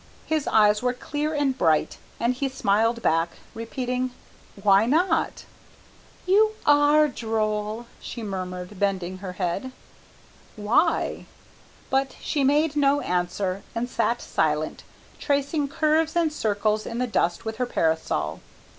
His eyes were clear and bright, and he smiled back, repeating, "Why not?" "You are droll," she murmured, bending her head. "Why?" But she made no answer, and sat silent, tracing curves and circles in the dust with her parasol.